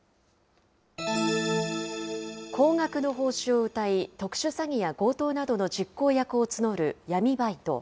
高額の報酬をうたい、特殊詐欺や強盗などの実行役を募る闇バイト。